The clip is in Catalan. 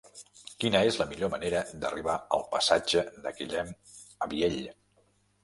Quina és la millor manera d'arribar al passatge de Guillem Abiell?